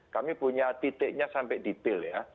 kami punya titiknya sampai detail ya